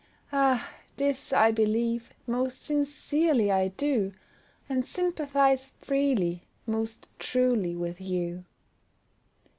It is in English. Ah! this I believe, most sincerely I do, And sympathize freely, most truly with you.